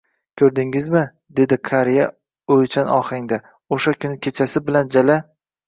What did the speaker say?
—Ko'rdingizmi, — deydi qariya oychan ohangda, — o'sha kuni kechasi bilan jala